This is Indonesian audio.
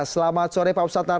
selamat sore pak opsatar